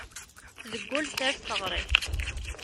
Deg wul ters teɣrit.